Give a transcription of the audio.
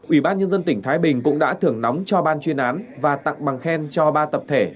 ủy ban nhân dân tỉnh thái bình cũng đã thưởng nóng cho ban chuyên án và tặng bằng khen cho ba tập thể